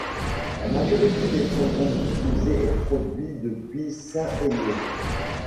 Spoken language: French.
La majorité des programmes diffusés est produite depuis Saint-Hélier.